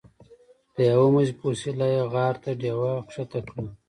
د یوه مزي په وسیله یې غار ته ډیوه ښکته کړه.